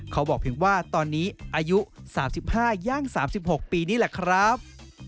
เขาบอกเพียงว่าตอนนี้อายุ๓๕ย่าง๓๖ปีนี่แหละครับ